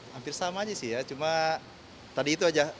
hampir sama saja sih ya cuma tadi itu saja